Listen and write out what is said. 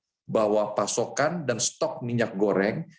menjamin bahwa pasokan dan stok minyak goreng